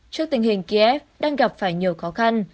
trước tình hình kiev đang gặp phải nhiều khó khăn